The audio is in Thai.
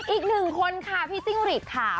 อีกหนึ่งคนค่ะพี่จิ้งหรีดค่ะ